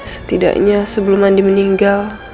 setidaknya sebelum nandi meninggal